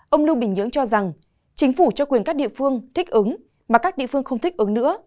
ông lưu bình nhưỡng cho rằng chính phủ cho quyền các địa phương thích ứng mà các địa phương không thích ứng nữa